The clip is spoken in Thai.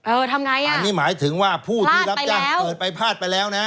ทำไงอ่ะอันนี้หมายถึงว่าผู้ที่รับจ้างเปิดไปพลาดไปแล้วนะ